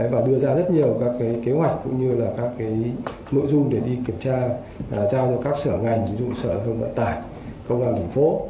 và đưa ra rất nhiều các kế hoạch cũng như là các nội dung để đi kiểm tra giao cho các sở ngành ví dụ sở giao thông vận tải công đoàn thị phố